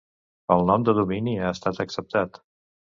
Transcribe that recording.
El nom de domini ha estat acceptat.